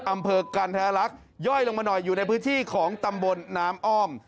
อำเภอกันธรรลักษณ์ย่อยลงมาหน่อยอยู่ในพื้นที่ของตำบลน้ำอ้อม